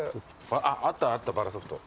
あっあったあったバラソフト。